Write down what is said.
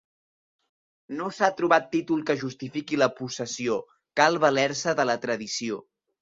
No s’ha trobat títol que justifiqui la possessió, cal valer-se de la tradició.